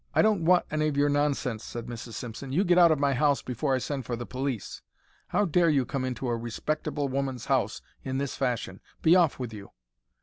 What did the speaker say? "I don't want any of your nonsense," said Mrs. Simpson. "You get out of my house before I send for the police. How dare you come into a respectable woman's house in this fashion? Be off with you."